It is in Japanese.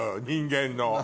人間の。